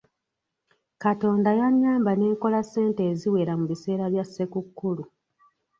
Katonda yannyamba ne nkola ssente eziwera mu biseera bya Ssekukkulu.